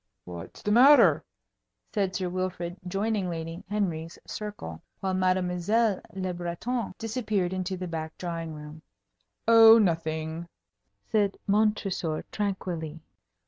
"What's the matter?" said Sir Wilfrid, joining Lady Henry's circle, while Mademoiselle Le Breton disappeared into the back drawing room. "Oh, nothing," said Montresor, tranquilly.